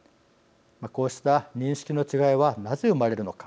こうした認識の違いはなぜ生まれるのか。